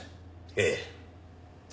ええ。